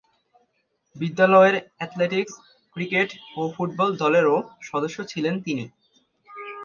বিদ্যালয়ের athletics, cricket ও football দলেরও সদস্য ছিলেন তিনি।